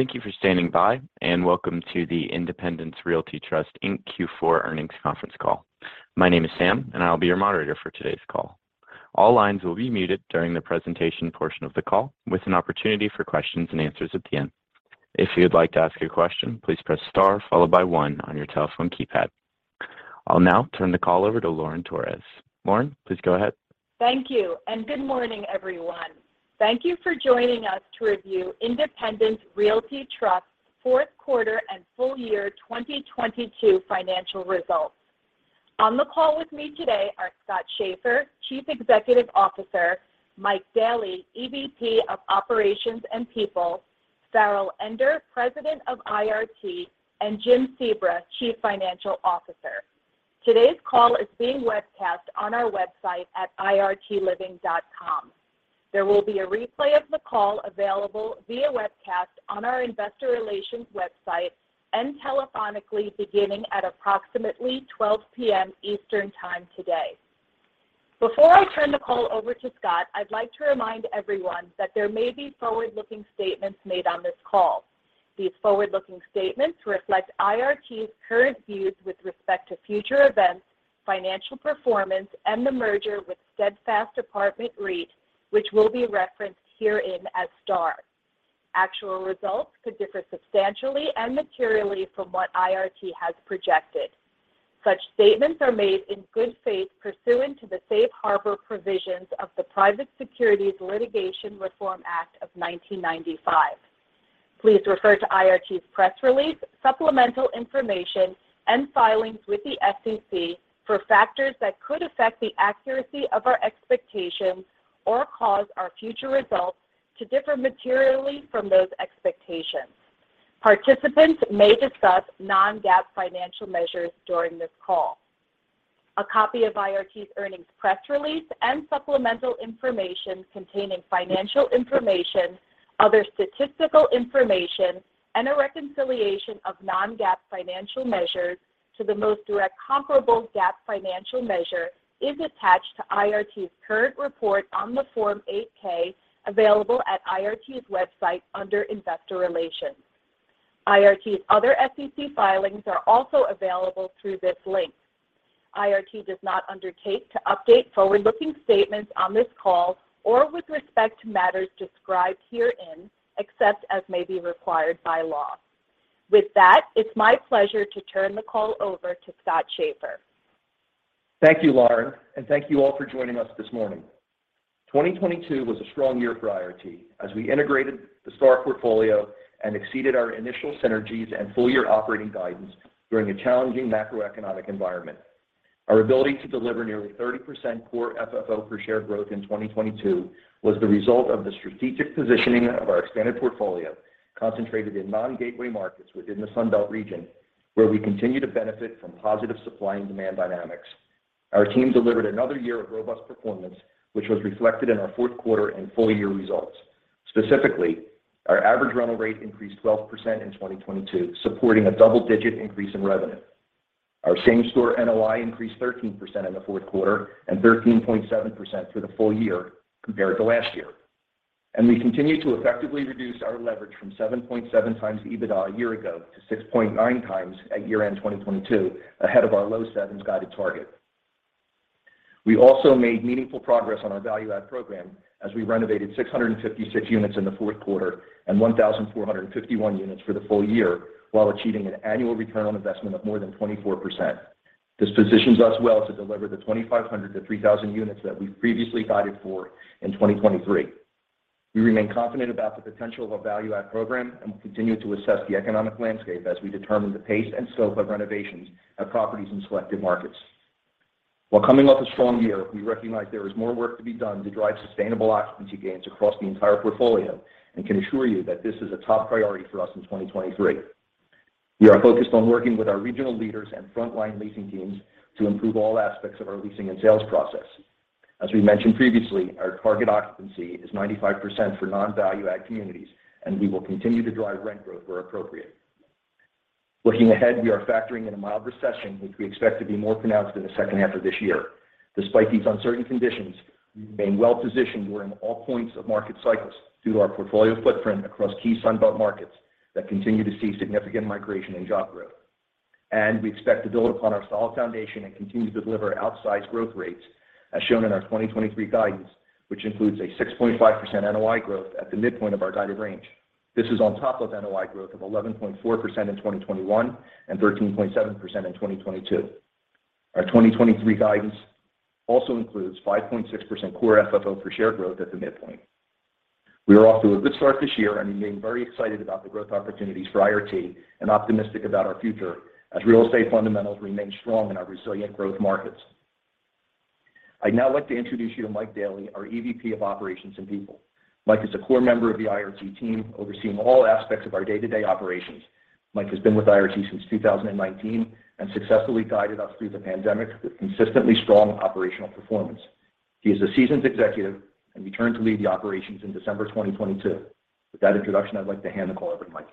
Thank you for standing by, and welcome to the Independence Realty Trust, Inc. Q4 Earnings Conference Call. My name is Sam, and I'll be your moderator for today's call. All lines will be muted during the presentation portion of the call with an opportunity for questions and answers at the end. If you'd like to ask a question, please press star followed by one on your telephone keypad. I'll now turn the call over to Lauren Torres. Lauren, please go ahead. Thank you, and good morning, everyone. Thank you for joining us to review Independence Realty Trust fourth quarter and full-year 2022 financial results. On the call with me today are Scott Schaeffer, Chief Executive Officer, Mike Daley, EVP of Operations and People, Farrell Ender, President of IRT, and Jim Sebra, Chief Financial Officer. Today's call is being webcast on our website at irtliving.com. There will be a replay of the call available via webcast on our investor relations website and telephonically beginning at approximately 12:00 P.M. Eastern time today. Before I turn the call over to Scott, I'd like to remind everyone that there may be forward-looking statements made on this call. These forward-looking statements reflect IRT's current views with respect to future events, financial performance, and the merger with Steadfast Apartment REIT, which will be referenced herein as STAR. Actual results could differ substantially and materially from what IRT has projected. Such statements are made in good faith pursuant to the Safe Harbor Provisions of the Private Securities Litigation Reform Act of 1995. Please refer to IRT's press release, supplemental information, and filings with the SEC for factors that could affect the accuracy of our expectations or cause our future results to differ materially from those expectations. Participants may discuss non-GAAP financial measures during this call. A copy of IRT's earnings press release and supplemental information containing financial information, other statistical information, and a reconciliation of non-GAAP financial measures to the most direct comparable GAAP financial measure is attached to IRT's current report on the Form 8-K available at IRT's website under Investor Relations. IRT's other SEC filings are also available through this link. IRT does not undertake to update forward-looking statements on this call or with respect to matters described herein, except as may be required by law. With that, it's my pleasure to turn the call over to Scott Schaeffer. Thank you, Lauren, and thank you all for joining us this morning. 2022 was a strong year for IRT as we integrated the STAR portfolio and exceeded our initial synergies and full-year operating guidance during a challenging macroeconomic environment. Our ability to deliver nearly 30% Core FFO per share growth in 2022 was the result of the strategic positioning of our expanded portfolio concentrated in non-gateway markets within the Sun Belt region, where we continue to benefit from positive supply and demand dynamics. Our team delivered another year of robust performance, which was reflected in our fourth quarter and full-year results. Specifically, our average rental rate increased 12% in 2022, supporting a double-digit increase in revenue. Our same-store NOI increased 13% in the fourth quarter and 13.7% for the full-year compared to last year. We continue to effectively reduce our leverage from 7.7x the EBITDA a year ago to 6.9x at year-end 2022, ahead of our low sevens guided target. We also made meaningful progress on our value add program as we renovated 656 units in the fourth quarter and 1,451 units for the full-year while achieving an annual ROI of more than 24%. This positions us well to deliver the 2,500-3,000 units that we previously guided for in 2023. We remain confident about the potential of our value add program and will continue to assess the economic landscape as we determine the pace and scope of renovations of properties in selected markets. While coming off a strong year, we recognize there is more work to be done to drive sustainable occupancy gains across the entire portfolio and can assure you that this is a top priority for us in 2023. We are focused on working with our regional leaders and frontline leasing teams to improve all aspects of our leasing and sales process. As we mentioned previously, our target occupancy is 95% for non-value add communities, and we will continue to drive rent growth where appropriate. Looking ahead, we are factoring in a mild recession, which we expect to be more pronounced in the second half of this year. Despite these uncertain conditions, we remain well positioned during all points of market cycles due to our portfolio footprint across key Sun Belt markets that continue to see significant migration and job growth. We expect to build upon our solid foundation and continue to deliver outsized growth rates as shown in our 2023 guidance, which includes a 6.5% NOI growth at the midpoint of our guided range. This is on top of NOI growth of 11.4% in 2021 and 13.7% in 2022. Our 2023 guidance also includes 5.6% Core FFO per share growth at the midpoint. We are off to a good start this year and remain very excited about the growth opportunities for IRT and optimistic about our future as real estate fundamentals remain strong in our resilient growth markets. I'd now like to introduce you to Mike Daley, our EVP of Operations and People. Mike is a core member of the IRT team, overseeing all aspects of our day-to-day operations. Mike has been with IRT since 2019 and successfully guided us through the pandemic with consistently strong operational performance. He is a seasoned executive, and returned to lead the operations in December 2022. With that introduction, I'd like to hand the call over to Mike.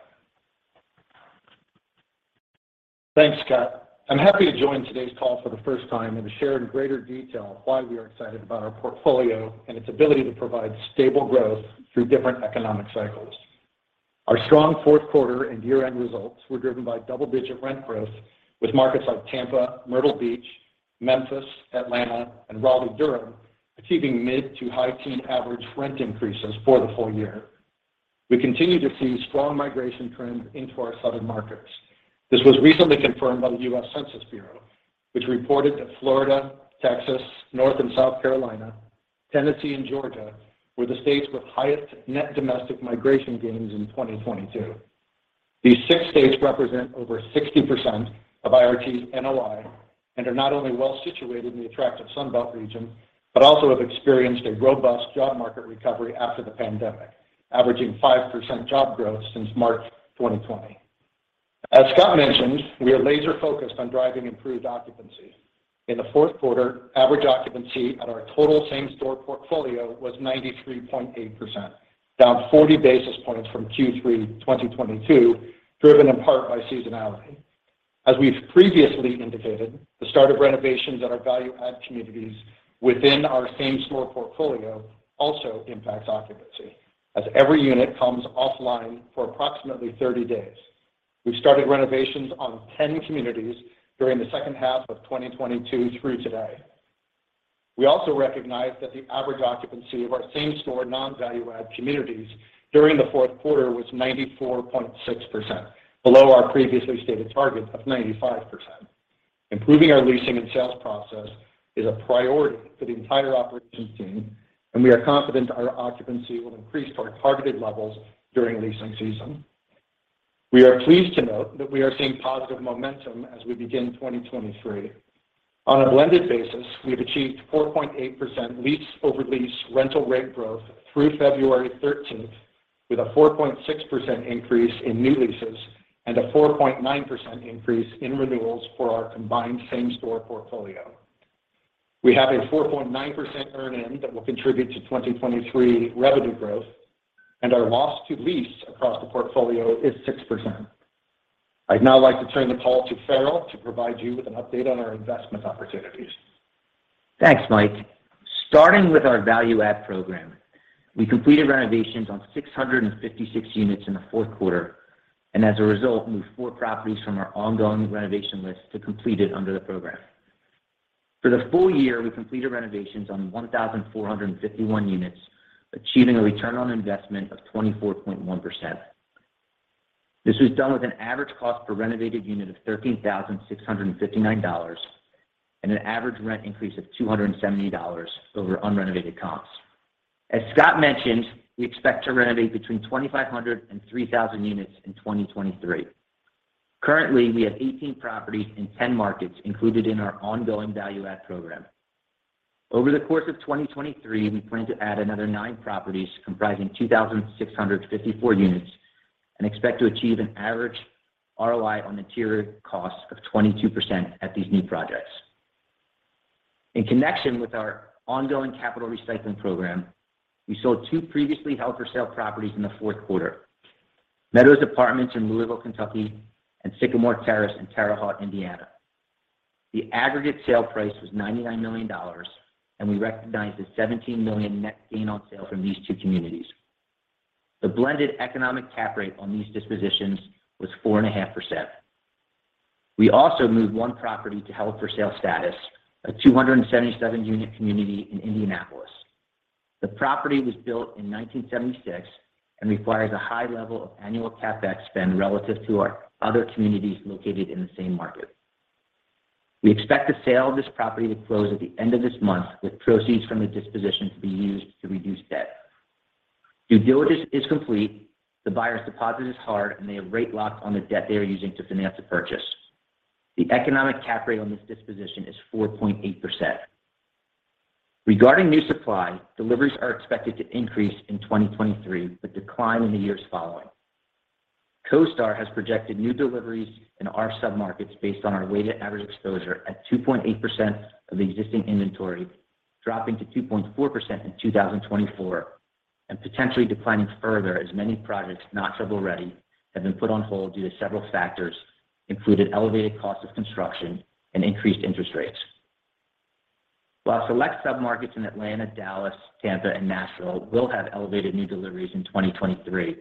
Thanks, Scott. I'm happy to join today's call for the first time and to share in greater detail why we are excited about our portfolio and its ability to provide stable growth through different economic cycles. Our strong fourth quarter and year-end results were driven by double-digit rent growth with markets like Tampa, Myrtle Beach, Memphis, Atlanta, and Raleigh-Durham achieving mid to high teen average rent increases for the full-year. We continue to see strong migration trends into our southern markets. This was recently confirmed by the U.S. Census Bureau, which reported that Florida, Texas, North and South Carolina, Tennessee, and Georgia were the states with highest net domestic migration gains in 2022. These 6 states represent over 60% of IRT's NOI and are not only well situated in the attractive Sunbelt region, but also have experienced a robust job market recovery after the pandemic, averaging 5% job growth since March 2020. As Scott mentioned, we are laser focused on driving improved occupancy. In the fourth quarter, average occupancy at our total same store portfolio was 93.8%, down 40 basis points from Q3 2022, driven in part by seasonality. As we've previously indicated, the start of renovations at our value add communities within our same store portfolio also impacts occupancy as every unit comes offline for approximately 30 days. We started renovations on 10 communities during the second half of 2022 through today. We also recognize that the average occupancy of our same store non-value add communities during the fourth quarter was 94.6%, below our previously stated target of 95%. Improving our leasing and sales process is a priority for the entire operations team. We are confident our occupancy will increase to our targeted levels during leasing season. We are pleased to note that we are seeing positive momentum as we begin 2023. On a blended basis, we have achieved 4.8% lease over lease rental rate growth through February 13th, with a 4.6% increase in new leases and a 4.9% increase in renewals for our combined same store portfolio. We have a 4.9% earn-in that will contribute to 2023 revenue growth. Our loss to lease across the portfolio is 6%. I'd now like to turn the call to Farrell to provide you with an update on our investment opportunities. Thanks, Mike. Starting with our value-add program, we completed renovations on 656 units in Q4, and as a result, moved four properties from our ongoing renovation list to completed under the program. For the full-year, we completed renovations on 1,451 units, achieving an ROI of 24.1%. This was done with an average cost per renovated unit of $13,659 and an average rent increase of $270 over unrenovated costs. As Scott mentioned, we expect to renovate between 2,500-3,000 units in 2023. Currently, we have 18 properties in 10 markets included in our ongoing value-add program. Over the course of 2023, we plan to add another nine properties comprising 2,654 units and expect to achieve an average ROI on interior costs of 22% at these new projects. In connection with our ongoing capital recycling program, we sold two previously held for sale properties in the fourth quarter, Meadows Apartments in Louisville, Kentucky, and Sycamore Terrace in Terre Haute, Indiana. The aggregate sale price was $99 million, and we recognized a $17 million net gain on sale from these two communities. The blended economic cap rate on these dispositions was 4.5%. We also moved one property to held for sale status, a 277-unit community in Indianapolis. The property was built in 1976 and requires a high level of annual CapEx spend relative to our other communities located in the same market. We expect the sale of this property to close at the end of this month, with proceeds from the disposition to be used to reduce debt. Due diligence is complete. The buyer's deposit is hard, and they have rate locks on the debt they are using to finance the purchase. The economic cap rate on this disposition is 4.8%. Regarding new supply, deliveries are expected to increase in 2023, but decline in the years following. CoStar has projected new deliveries in our submarkets based on our weighted average exposure at 2.8% of the existing inventory, dropping to 2.4% in 2024, and potentially declining further as many projects not shovel ready have been put on hold due to several factors, including elevated cost of construction and increased interest rates. While select submarkets in Atlanta, Dallas, Tampa, and Nashville will have elevated new deliveries in 2023,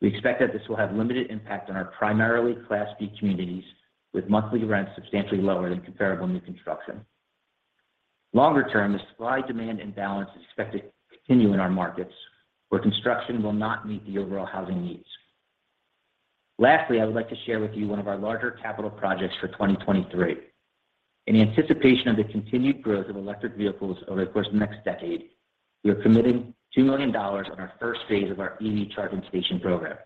we expect that this will have limited impact on our primarily Class D communities, with monthly rents substantially lower than comparable new construction. Longer term, the supply-demand imbalance is expected to continue in our markets where construction will not meet the overall housing needs. Lastly, I would like to share with you one of our larger capital projects for 2023. In anticipation of the continued growth of electric vehicles over the course of the next decade, we are committing $2 million on our first phase of our EV charging station program.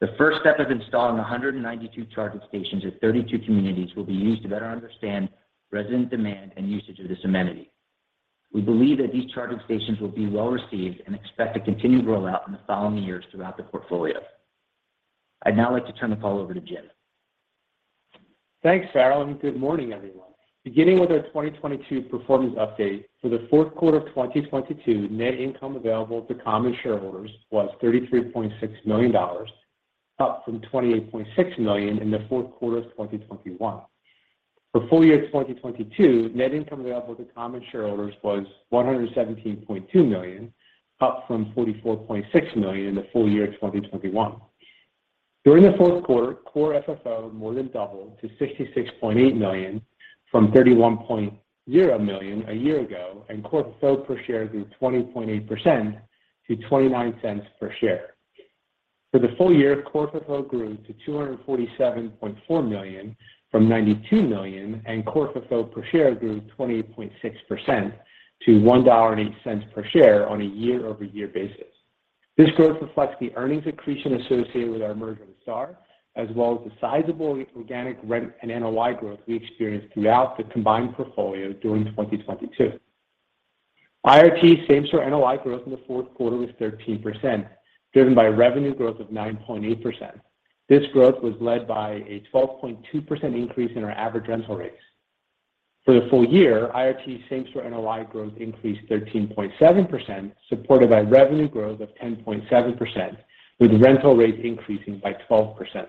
The first step of installing 192 charging stations at 32 communities will be used to better understand resident demand and usage of this amenity. We believe that these charging stations will be well received and expect a continued rollout in the following years throughout the portfolio. I'd now like to turn the call over to Jim. Thanks, Farrell. Good morning, everyone. Beginning with our 2022 performance update, for the fourth quarter of 2022, net income available to common shareholders was $33.6 million, up from $28.6 million in the fourth quarter of 2021. For full-year 2022, net income available to common shareholders was $117.2 million, up from $44.6 million in the full-year 2021. During the fourth quarter, Core FFO more than doubled to $66.8 million from $31.0 million a year ago. Core FFO per share grew 20.8% to $0.29 per share. For the full-year, Core FFO grew to $247.4 million from $92 million, and Core FFO per share grew 20.6% to $1.08 per share on a year-over-year basis. This growth reflects the earnings accretion associated with our merger with STAR, as well as the sizable organic rent and NOI growth we experienced throughout the combined portfolio during 2022. IRT same store NOI growth in the fourth quarter was 13%, driven by revenue growth of 9.8%. This growth was led by a 12.2% increase in our average rental rates. For the full-year, IRT same store NOI growth increased 13.7%, supported by revenue growth of 10.7%, with rental rates increasing by 12%.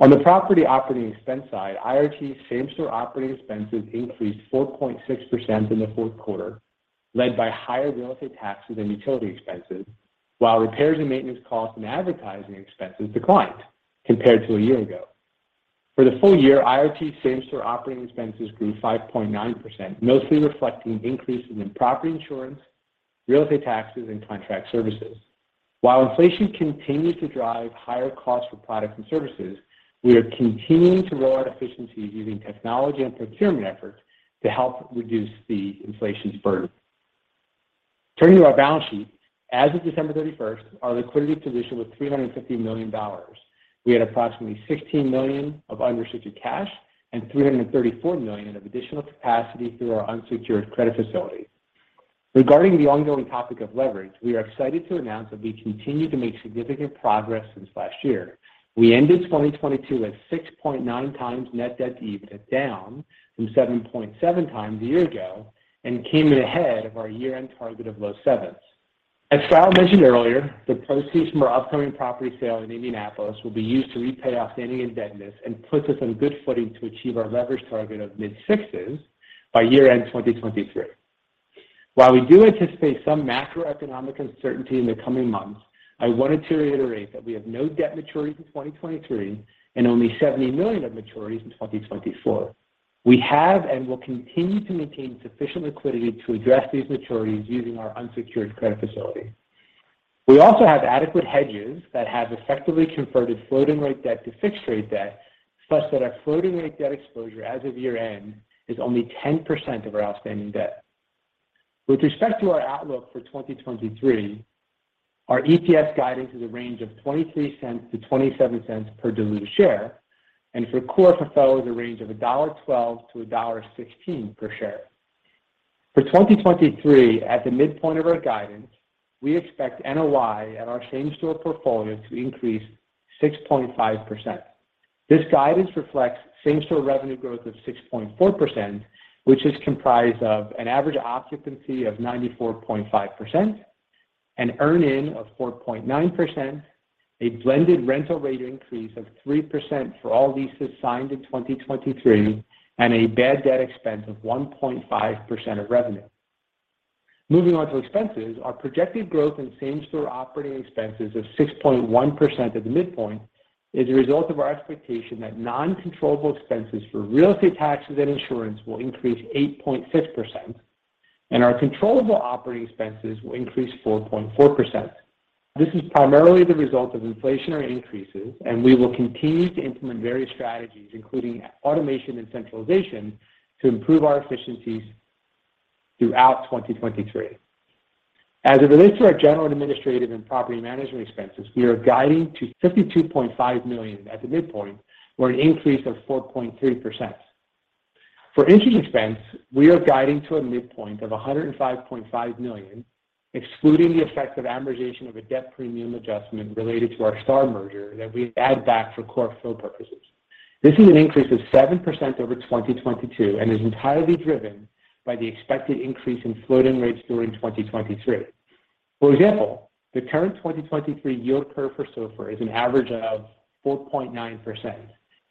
On the property operating expense side, IRT same store operating expenses increased 4.6% in the fourth quarter, led by higher real estate taxes and utility expenses, while repairs and maintenance costs and advertising expenses declined compared to a year ago. For the full-year, IRT same store operating expenses grew 5.9%, mostly reflecting increases in property insurance, real estate taxes, and contract services. Inflation continued to drive higher costs for products and services, we are continuing to roll out efficiencies using technology and procurement efforts to help reduce the inflation burden. Turning to our balance sheet, as of December 31st, our liquidity position was $350 million. We had approximately $16 million of unrestricted cash and $334 million of additional capacity through our unsecured credit facility. Regarding the ongoing topic of leverage, we are excited to announce that we continue to make significant progress since last year. We ended 2022 at 6.9x net debt to EBITDA, down from 7.7x a year ago, and came in ahead of our year-end target of low seven's. As Farrell mentioned earlier, the proceeds from our upcoming property sale in Indianapolis will be used to repay outstanding indebtedness and puts us on good footing to achieve our leverage target of mid-six's by year-end 2023. While we do anticipate some macroeconomic uncertainty in the coming months, I wanted to reiterate that we have no debt maturities in 2023 and only $70 million of maturities in 2024. We have and will continue to maintain sufficient liquidity to address these maturities using our unsecured credit facility. We also have adequate hedges that have effectively converted floating rate debt to fixed rate debt, such that our floating rate debt exposure as of year-end is only 10% of our outstanding debt. With respect to our outlook for 2023, our EPS guidance is a range of $0.23-$0.27 per diluted share and for Core FFO is a range of $1.12-$1.16 per share. For 2023, at the midpoint of our guidance, we expect NOI at our same store portfolio to increase 6.5%. This guidance reflects same store revenue growth of 6.4%, which is comprised of an average occupancy of 94.5%, an earn-in of 4.9%, a blended rental rate increase of 3% for all leases signed in 2023, and a bad debt expense of 1.5% of revenue. Moving on to expenses, our projected growth in same store operating expenses of 6.1% at the midpoint is a result of our expectation that non-controllable expenses for real estate taxes and insurance will increase 8.5%, and our controllable operating expenses will increase 4.4%. This is primarily the result of inflationary increases, and we will continue to implement various strategies, including automation and centralization, to improve our efficiencies throughout 2023. As it relates to our general and administrative and property management expenses, we are guiding to $52.5 million at the midpoint, or an increase of 4.3%. For interest expense, we are guiding to a midpoint of $105.5 million, excluding the effect of amortization of a debt premium adjustment related to our STAR merger that we add back for Core FFO purposes. This is an increase of 7% over 2022 and is entirely driven by the expected increase in floating rates during 2023. For example, the current 2023 yield curve for SOFR is an average of 4.9%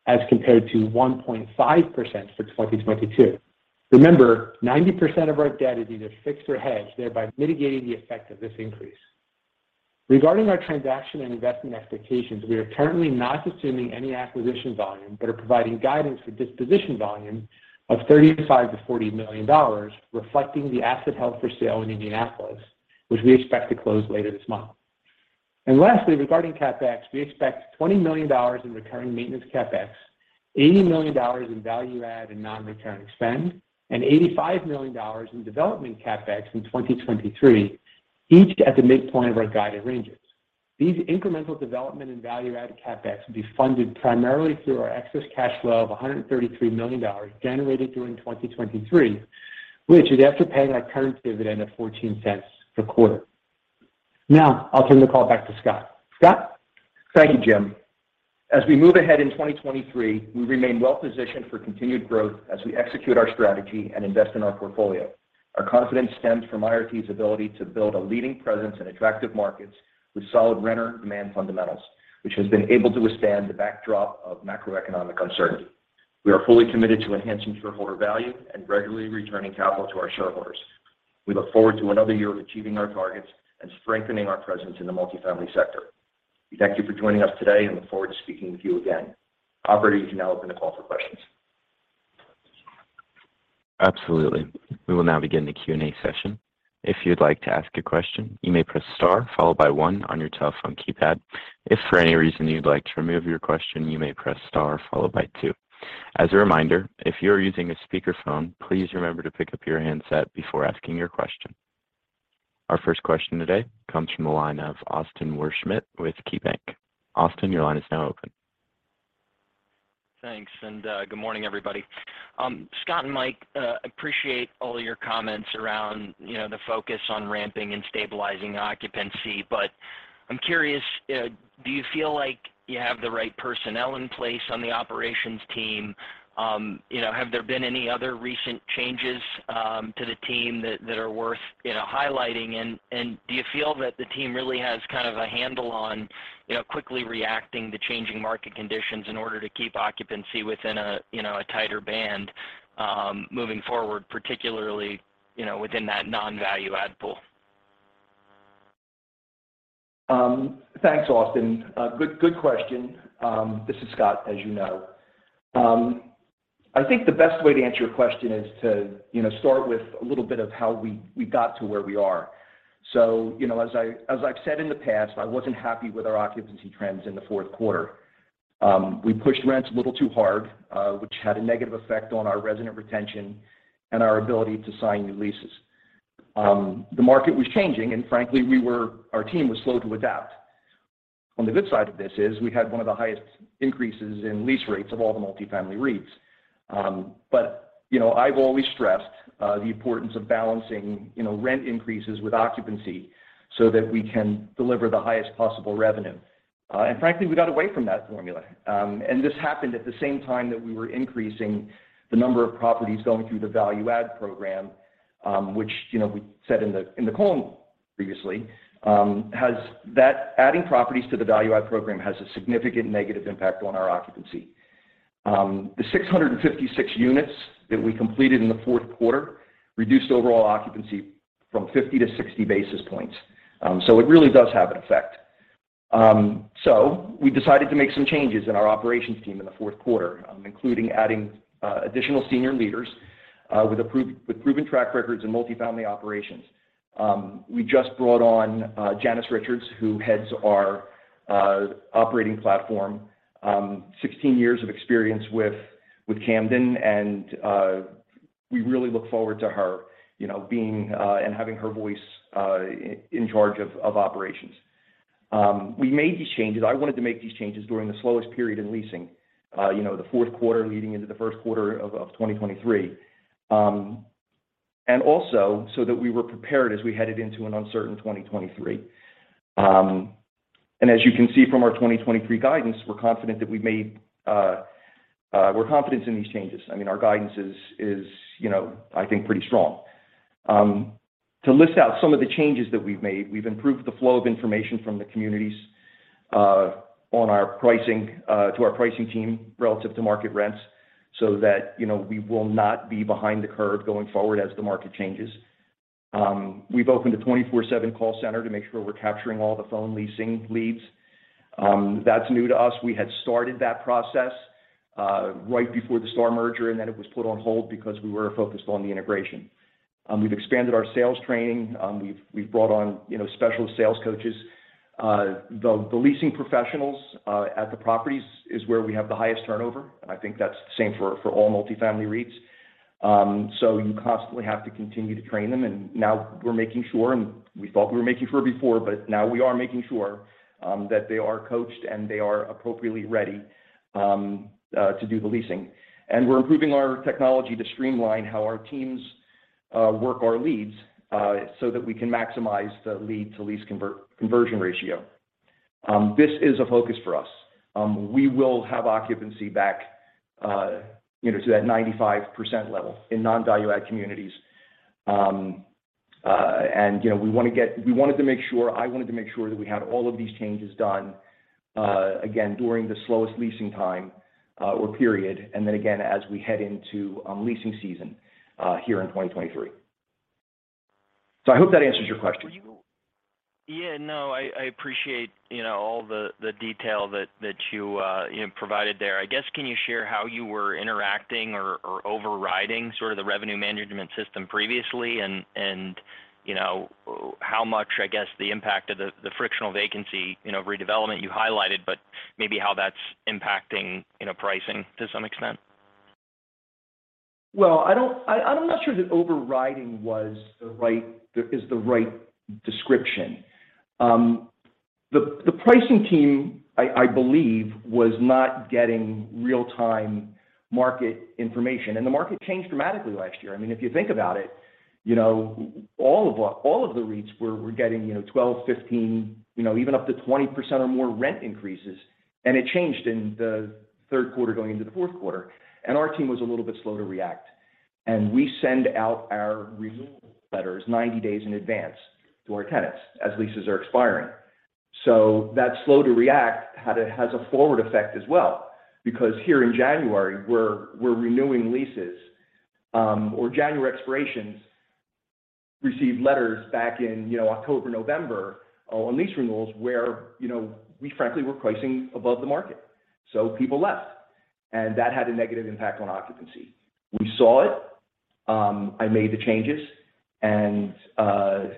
as compared to 1.5% for 2022. Remember, 90% of our debt is either fixed or hedged, thereby mitigating the effect of this increase. Regarding our transaction and investment expectations, we are currently not assuming any acquisition volume, but are providing guidance for disposition volume of $35 million-$40 million, reflecting the asset held for sale in Indianapolis, which we expect to close later this month. Lastly, regarding CapEx, we expect $20 million in recurring maintenance CapEx, $80 million in value add and non-recurring spend, and $85 million in development CapEx in 2023, each at the midpoint of our guided ranges. These incremental development and value add CapEx will be funded primarily through our excess cash flow of $133 million generated during 2023, which is after paying our current dividend of $0.14 per quarter. Now I'll turn the call back to Scott. Scott? Thank you, Jim. As we move ahead in 2023, we remain well positioned for continued growth as we execute our strategy and invest in our portfolio. Our confidence stems from IRT's ability to build a leading presence in attractive markets with solid renter demand fundamentals, which has been able to withstand the backdrop of macroeconomic uncertainty. We are fully committed to enhancing shareholder value and regularly returning capital to our shareholders. We look forward to another year of achieving our targets and strengthening our presence in the multifamily sector. We thank you for joining us today and look forward to speaking with you again. Operator, you can now open the call for questions. Absolutely. We will now begin the Q&A session. If you'd like to ask a question, you may press star followed by one on your telephone keypad. If for any reason you'd like to remove your question, you may press star followed by two. As a reminder, if you're using a speakerphone, please remember to pick up your handset before asking your question. Our first question today comes from the line of Austin Wurschmidt with KeyBanc. Austin, your line is now open. Thanks. Good morning, everybody. Scott and Mike, appreciate all your comments around, you know, the focus on ramping and stabilizing occupancy. I'm curious, do you feel like you have the right personnel in place on the operations team? You know, have there been any other recent changes to the team that are worth, you know, highlighting? Do you feel that the team really has kind of a handle on, you know, quickly reacting to changing market conditions in order to keep occupancy within a, you know, a tighter band moving forward, particularly, you know, within that non-value add pool? Thanks, Austin. Good question. This is Scott, as you know. I think the best way to answer your question is to, you know, start with a little bit of how we got to where we are. You know, as I've said in the past, I wasn't happy with our occupancy trends in the fourth quarter. We pushed rents a little too hard, which had a negative effect on our resident retention and our ability to sign new leases. The market was changing, frankly, our team was slow to adapt. On the good side of this is we had one of the highest increases in lease rates of all the multifamily REITs. You know, I've always stressed, the importance of balancing, you know, rent increases with occupancy so that we can deliver the highest possible revenue. Frankly, we got away from that formula. This happened at the same time that we were increasing the number of properties going through the value add program, which, you know, we said in the, in the call previously, that adding properties to the value add program has a significant negative impact on our occupancy. The 656 units that we completed in the fourth quarter reduced overall occupancy from 50-60 basis points. It really does have an effect. We decided to make some changes in our operations team in the fourth quarter, including adding additional senior leaders with proven track records in multifamily operations. We just brought on Janice Richards, who heads our operating platform, 16 years of experience with Camden, and we really look forward to her, you know, being and having her voice in charge of operations. We made these changes. I wanted to make these changes during the slowest period in leasing, you know, the fourth quarter leading into the first quarter of 2023. Also so that we were prepared as we headed into an uncertain 2023. As you can see from our 2023 guidance, we're confident in these changes. I mean, our guidance is, you know, I think pretty strong. To list out some of the changes that we've made, we've improved the flow of information from the communities on our pricing to our pricing team relative to market rents so that, you know, we will not be behind the curve going forward as the market changes. We've opened a 24/7 call center to make sure we're capturing all the phone leasing leads. That's new to us. We had started that process right before the STAR merger, and then it was put on hold because we were focused on the integration. We've expanded our sales training. We've brought on, you know, special sales coaches. The leasing professionals at the properties is where we have the highest turnover, and I think that's the same for all multifamily REITs. You constantly have to continue to train them, and now we're making sure, and we thought we were making sure before, but now we are making sure that they are coached, and they are appropriately ready to do the leasing. We're improving our technology to streamline how our teams work our leads so that we can maximize the lead to lease conversion ratio. This is a focus for us. We will have occupancy back, you know, to that 95% level in non-value add communities. You know, I wanted to make sure that we had all of these changes done, again, during the slowest leasing time, or period, and then again as we head into, leasing season, here in 2023. I hope that answers your question. Yeah, no, I appreciate, you know, all the detail that you know, provided there. I guess, can you share how you were interacting or overriding sort of the revenue management system previously and, you know, how much, I guess, the impact of the frictional vacancy, you know, redevelopment you highlighted, but maybe how that's impacting, you know, pricing to some extent? Well, I'm not sure that overriding is the right description. The pricing team, I believe, was not getting real-time market information. The market changed dramatically last year. I mean, if you think about it, you know, all of the REITs were getting, you know, 12%, 15%, you know, even up to 20% or more rent increases. It changed in the third quarter going into the fourth quarter. Our team was a little bit slow to react. We send out our renewal letters 90 days in advance to our tenants as leases are expiring. That slow to react has a forward effect as well, because here in January, we're renewing leases, or January expirations received letters back in, you know, October, November on lease renewals where, you know, we frankly were pricing above the market. People left, and that had a negative impact on occupancy. We saw it, I made the changes, and, you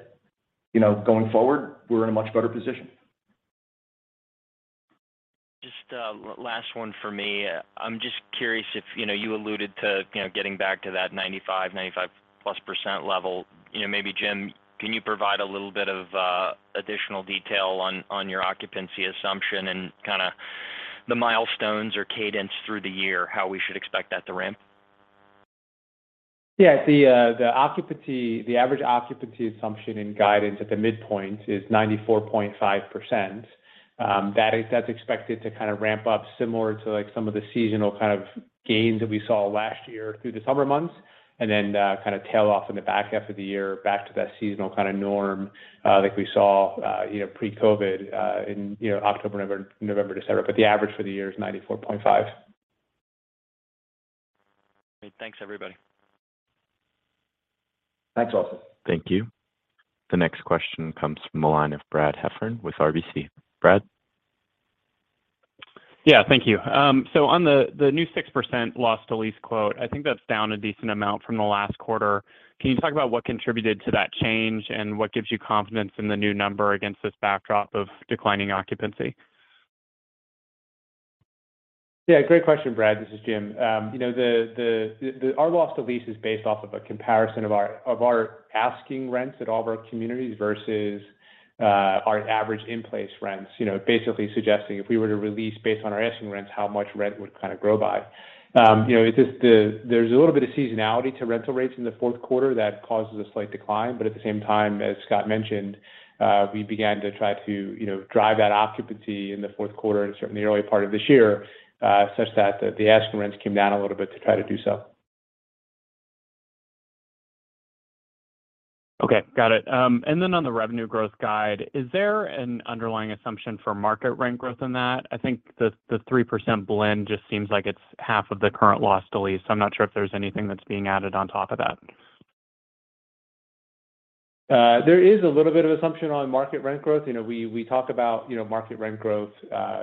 know, going forward, we're in a much better position. Just last one for me. I'm just curious if, you know, you alluded to, you know, getting back to that 95%+ level. You know, maybe Jim, can you provide a little bit of additional detail on your occupancy assumption and kinda the milestones or cadence through the year, how we should expect that to ramp? Yeah. The average occupancy assumption in guidance at the midpoint is 94.5%. That's expected to kind of ramp up similar to like some of the seasonal kind of gains that we saw last year through the summer months, and then, kinda tail off in the back half of the year back to that seasonal kinda norm, like we saw, you know, pre-COVID, in, you know, October, November, December. The average for the year is 94.5. Great. Thanks, everybody. Thanks, Austin. Thank you. The next question comes from the line of Brad Heffern with RBC. Brad? Thank you. On the new 6% loss to lease quote, I think that's down a decent amount from the last quarter. Can you talk about what contributed to that change and what gives you confidence in the new number against this backdrop of declining occupancy? Yeah, great question, Brad. This is Jim. you know, our loss to lease is based off of a comparison of our asking rents at all of our communities versus our average in-place rents. You know, basically suggesting if we were to re-lease based on our asking rents, how much rent would kind of grow by. you know, there's a little bit of seasonality to rental rates in the fourth quarter that causes a slight decline. At the same time, as Scott mentioned, we began to try to, you know, drive that occupancy in the fourth quarter and certainly the early part of this year, such that the asking rents came down a little bit to try to do so. Okay. Got it. On the revenue growth guide, is there an underlying assumption for market rent growth in that? I think the 3% blend just seems like it's half of the current loss to lease. I'm not sure if there's anything that's being added on top of that. There is a little bit of assumption on market rent growth. You know, we talk about, you know, market rent growth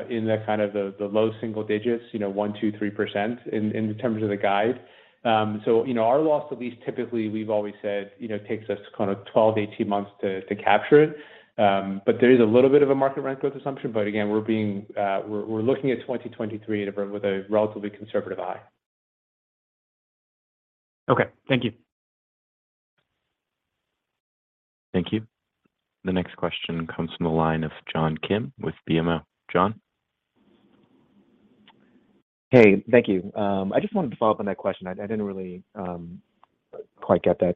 in the kind of the low single digits, you know, 1%, 2%, 3% in terms of the guide. Our loss to lease, typically, we've always said, you know, takes us kind of 12-18 months to capture it. There is a little bit of a market rent growth assumption. Again, we're looking at 2023 with a relatively conservative eye. Okay. Thank you. Thank you. The next question comes from the line of John Kim with BMO. John? Hey. Thank you. I just wanted to follow up on that question. I didn't really quite get that.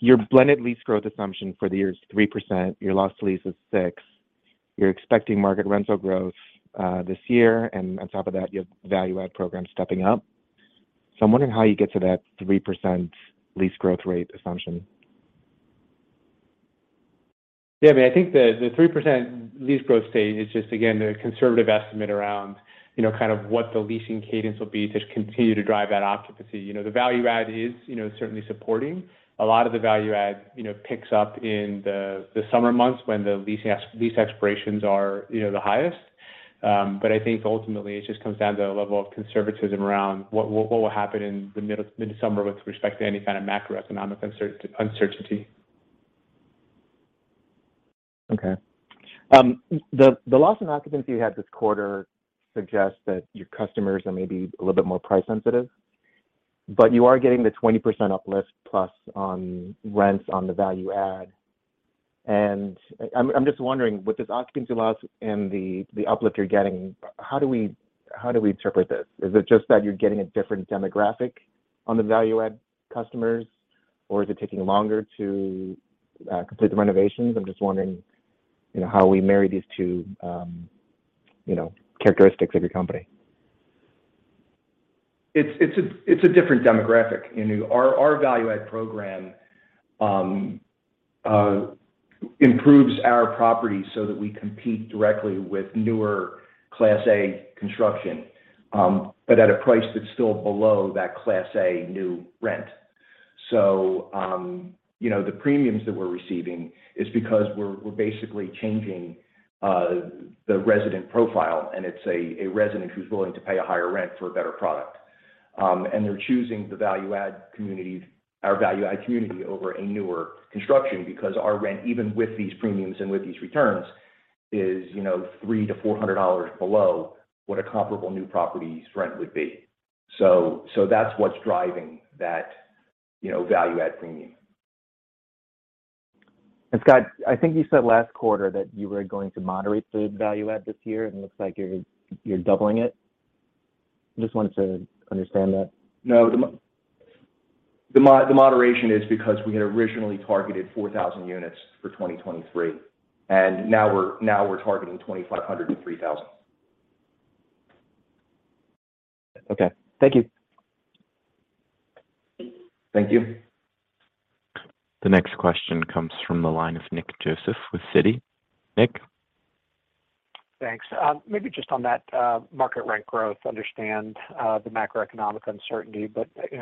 Your blended lease growth assumption for the year is 3%, your loss to lease is six. You're expecting market rental growth this year, and on top of that, you have value add program stepping up. I'm wondering how you get to that 3% lease growth rate assumption. Yeah. I mean, I think the 3% lease growth stage is just again, the conservative estimate around, you know, kind of what the leasing cadence will be to continue to drive that occupancy. You know, the value add is, you know, certainly supporting. A lot of the value add, you know, picks up in the summer months when the lease expirations are, you know, the highest. I think ultimately it just comes down to a level of conservatism around what will happen in the midsummer with respect to any kind of macroeconomic uncertainty. Okay. The loss in occupancy you had this quarter suggests that your customers are maybe a little bit more price sensitive, but you are getting the 20% uplift plus on rents on the value add. I'm just wondering, with this occupancy loss and the uplift you're getting, how do we interpret this? Is it just that you're getting a different demographic on the value add customers, or is it taking longer to complete the renovations? I'm just wondering, you know, how we marry these two, you know, characteristics of your company. It's a different demographic. You know, our value add program improves our property so that we compete directly with newer Class A construction, but at a price that's still below that Class A new rent. You know, the premiums that we're receiving is because we're basically changing the resident profile, and it's a resident who's willing to pay a higher rent for a better product. They're choosing the value add community over a newer construction because our rent, even with these premiums and with these returns, is, you know, $300-$400 below what a comparable new property's rent would be. That's what's driving that, you know, value add premium. Scott, I think you said last quarter that you were going to moderate the value add this year, and it looks like you're doubling it. Just wanted to understand that. No. The moderation is because we had originally targeted 4,000 units for 2023, now we're targeting 2,500-3,000. Okay. Thank you. Thank you. The next question comes from the line of Nick Joseph with Citi. Nick. Thanks. Maybe just on that market rent growth. Understand the macroeconomic uncertainty,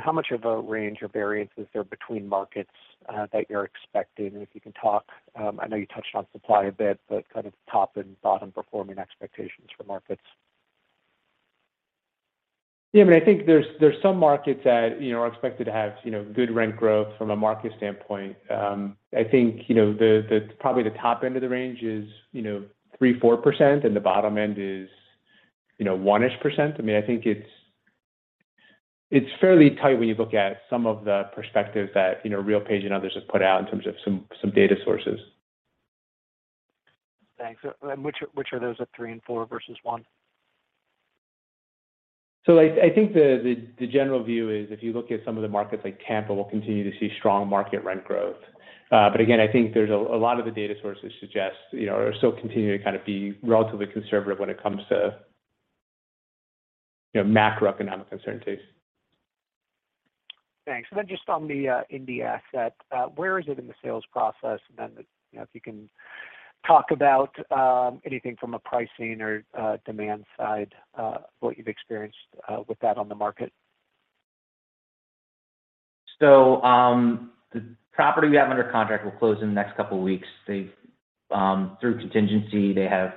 how much of a range or variance is there between markets that you're expecting? If you can talk, I know you touched on supply a bit, but kind of top and bottom performing expectations for markets. Yeah. I think there's some markets that, you know, are expected to have, you know, good rent growth from a market standpoint. I think, you know, the probably the top end of the range is, you know, 3%-4%, and the bottom end is, you know, 1%-ish. I mean, I think it's fairly tight when you look at some of the perspectives that, you know, RealPage and others have put out in terms of some data sources. Thanks. Which are those at three and four versus one? I think the general view is if you look at some of the markets like Tampa, we'll continue to see strong market rent growth. Again, I think there's a lot of the data sources suggest, you know, are still continuing to kind of be relatively conservative when it comes to, you know, macroeconomic uncertainties. Thanks. Just on the Indy asset, where is it in the sales process? You know, if you can talk about anything from a pricing or demand side, what you've experienced with that on the market. The property we have under contract will close in the next two weeks. They, through contingency, they have,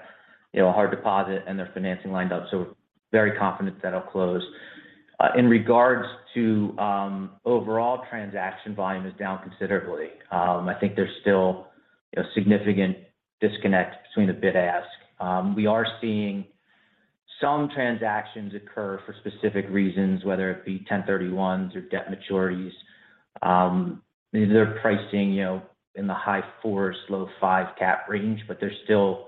you know, a hard deposit and their financing lined up, so very confident that'll close. In regards to, overall transaction volume is down considerably. I think there's still a significant disconnect between the bid ask. We are seeing some transactions occur for specific reasons, whether it be 1031 exchange or debt maturities. They're pricing, you know, in the high four's, low five cap range. There's still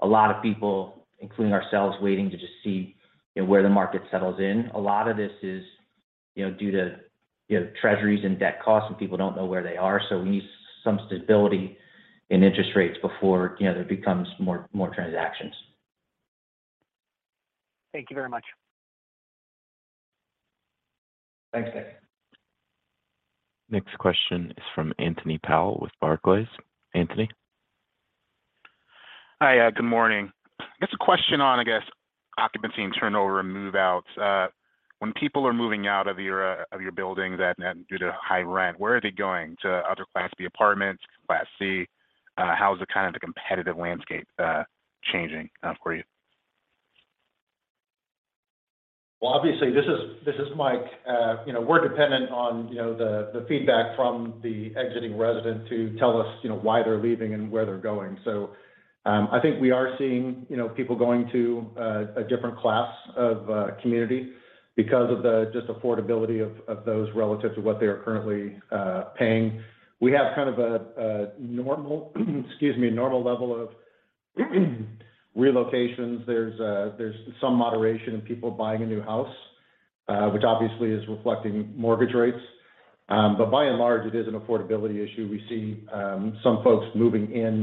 a lot of people, including ourselves, waiting to just see, you know, where the market settles in. A lot of this is, you know, due to, you know, treasuries and debt costs, and people don't know where they are, so we need some stability in interest rates before, you know, there becomes more transactions. Thank you very much. Thanks, Nick. Next question is from Anthony Powell with Barclays. Anthony. Hi. good morning. Just a question on, I guess, occupancy and turnover and move-outs. When people are moving out of your, of your buildings due to high rent, where are they going? To other Class B apartments, Class C? How is the kind of the competitive landscape, changing, for you? Well, obviously, this is Mike. You know, we're dependent on the feedback from the exiting resident to tell us, you know, why they're leaving and where they're going. I think we are seeing, you know, people going to a different class of community because of the just affordability of those relative to what they are currently paying. We have kind of a normal, excuse me, a normal level of relocations. There's some moderation in people buying a new house, which obviously is reflecting mortgage rates. By and large, it is an affordability issue. We see some folks moving in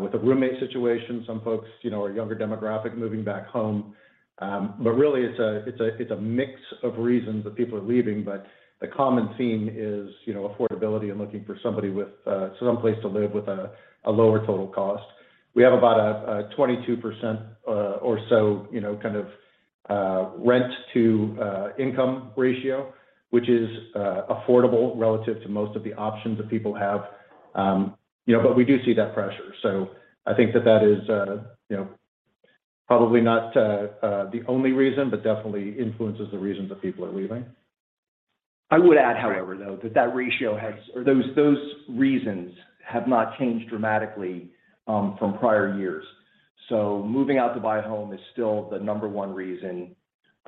with a roommate situation. Some folks, you know, are younger demographic moving back home. Really it's a mix of reasons that people are leaving. The common theme is, you know, affordability and looking for somebody with some place to live with a lower total cost. We have about a 22%, or so, you know, kind of, rent to income ratio, which is affordable relative to most of the options that people have. You know, but we do see that pressure. I think that that is, you know, probably not the only reason, but definitely influences the reasons that people are leaving. I would add, however, though, that that ratio has or those reasons have not changed dramatically from prior years. Moving out to buy a home is still the number one reason.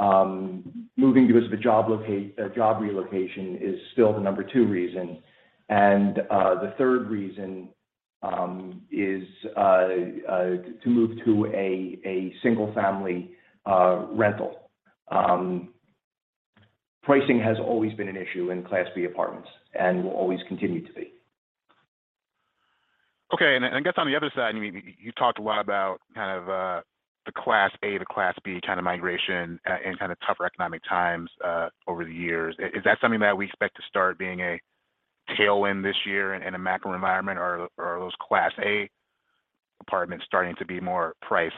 Moving because of a job relocation is still the number two reason. The third reason is to move to a single-family rental. Pricing has always been an issue in Class B apartments and will always continue to be. Okay. I guess on the other side, I mean, you talked a lot about kind of the Class A to Class B kind of migration in kind of tougher economic times over the years. Is that something that we expect to start being a tailwind this year in a macro environment, or are those Class A apartments starting to be more price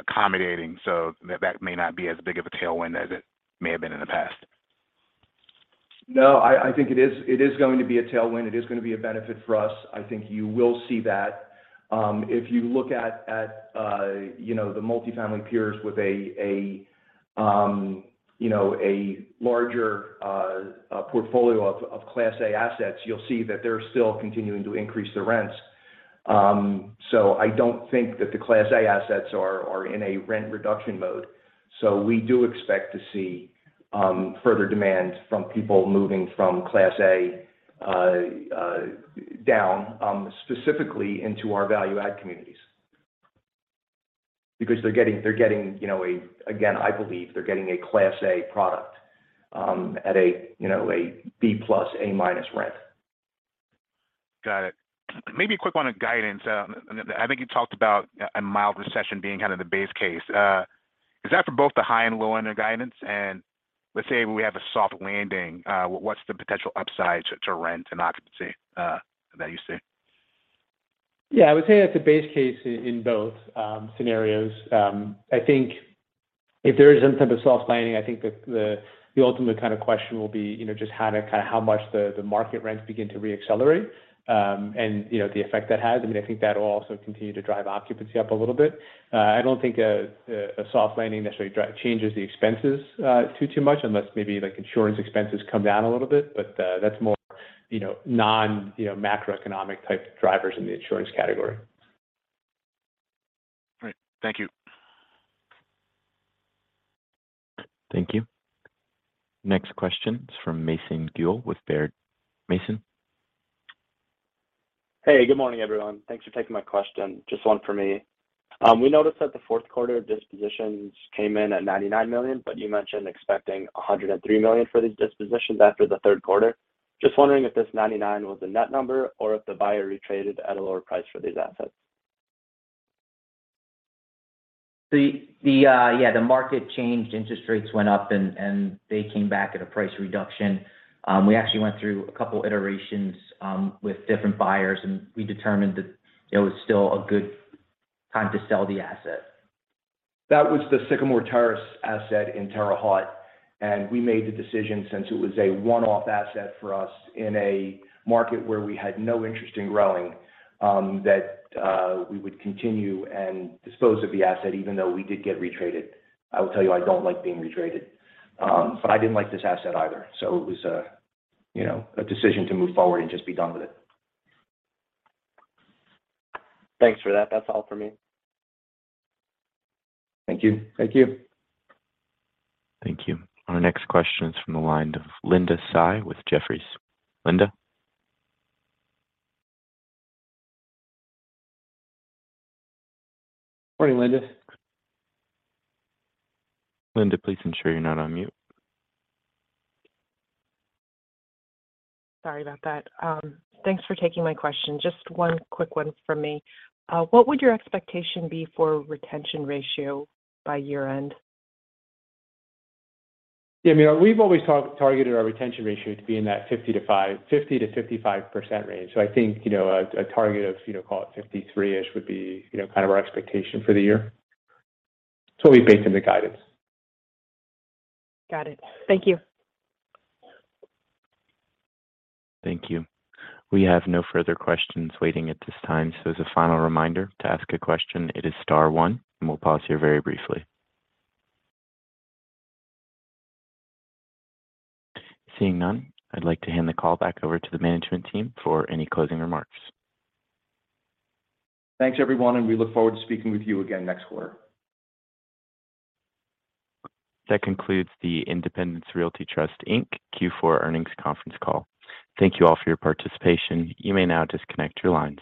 accommodating so that may not be as big of a tailwind as it may have been in the past? No, I think it is going to be a tailwind. It is gonna be a benefit for us. I think you will see that. If you look at, you know, the multifamily peers with a, you know, a larger, a portfolio of Class A assets, you'll see that they're still continuing to increase their rents. I don't think that the Class A assets are in a rent reduction mode. We do expect to see further demand from people moving from Class A, a down, specifically into our value add communities. They're getting, you know, Again, I believe they're getting a Class A product, at a, you know, a B plus, A-minus rent. Got it. Maybe a quick one on guidance. I think you talked about a mild recession being kind of the base case. Is that for both the high and low end of guidance? Let's say we have a soft landing, what's the potential upside to rent and occupancy that you see? I would say that's a base case in both scenarios. I think if there is some type of soft landing, I think the ultimate kind of question will be, you know, how much the market rents begin to re-accelerate, and, you know, the effect that has. I mean, I think that'll also continue to drive occupancy up a little bit. I don't think a soft landing necessarily changes the expenses too much unless maybe like insurance expenses come down a little bit. That's more, you know, non macroeconomic type drivers in the insurance category. All right. Thank you. Thank you. Next question is from Mason Giel with Baird. Mason? Hey, good morning, everyone. Thanks for taking my question. Just one for me. We noticed that the fourth quarter dispositions came in at $99 million, but you mentioned expecting $103 million for these dispositions after the third quarter. Just wondering if this 99 was a net number or if the buyer re-traded at a lower price for these assets. Yeah, the market changed, interest rates went up and they came back at a price reduction. We actually went through a couple iterations with different buyers, and we determined that, you know, it was still a good time to sell the asset. That was the Sycamore Terrace asset in Terre Haute, and we made the decision since it was a one-off asset for us in a market where we had no interest in growing, that we would continue and dispose of the asset even though we did get re-traded. I will tell you, I don't like being re-traded. I didn't like this asset either, so it was a, you know, a decision to move forward and just be done with it. Thanks for that. That's all for me. Thank you. Thank you. Thank you. Our next question is from the line of Linda Tsai with Jefferies. Linda? Morning, Linda. Linda, please ensure you're not on mute. Sorry about that. Thanks for taking my question. Just 1 quick one from me. What would your expectation be for retention ratio by year-end? Yeah. I mean, we've always targeted our retention ratio to be in that 50%-55% range. I think, you know, a target of, you know, call it 53-ish would be, you know, kind of our expectation for the year. Totally baked in the guidance. Got it. Thank you. Thank you. We have no further questions waiting at this time. As a final reminder, to ask a question it is star one, and we'll pause here very briefly. Seeing none, I'd like to hand the call back over to the management team for any closing remarks. Thanks, everyone, and we look forward to speaking with you again next quarter. That concludes the Independence Realty Trust Inc. Q4 Earnings Conference Call. Thank you all for your participation. You may now disconnect your lines.